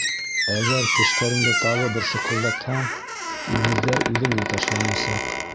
Әгәр тештәреңде тағы бер шыҡылдатһаң, үгеҙҙәр үҙеңә ташланасаҡ.